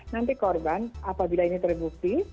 nanti korban apabila ini terbukti